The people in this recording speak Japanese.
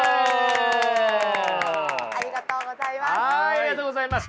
ありがとうございます。